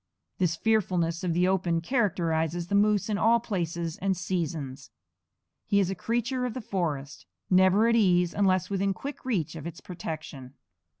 This fearfulness of the open characterizes the moose in all places and seasons. He is a creature of the forest, never at ease unless within quick reach of its protection.